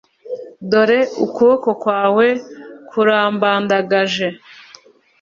dore ukuboko kwawe kurambandagaje